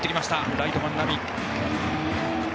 ライトの万波。